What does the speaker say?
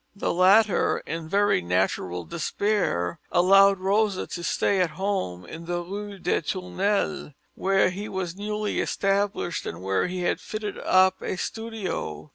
The latter, in very natural despair, allowed Rosa to stay at home, in the Rue des Tournelles, where he was newly established and where he had fitted up a studio.